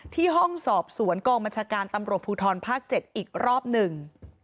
ห้องสอบสวนกองบัญชาการตำรวจภูทรภาค๗อีกรอบหนึ่ง